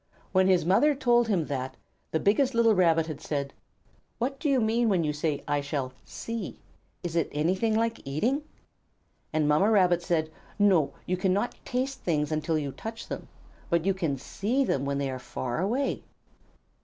When his mother told him that, the biggest little Rabbit had said, "What do you mean when you say I shall 'see'? Is it anything like eating?" And Mamma Rabbit said, "No, you cannot taste things until you touch them, but you can see them when they are far away."